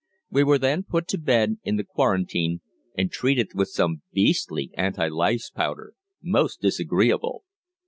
We were then put to bed in the quarantine and treated with some beastly anti lice powder most disagreeable!